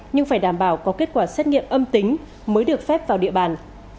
nhưng phải đảm bảo có kết quả xét nghiệm âm tính mới được phép vào địa bàn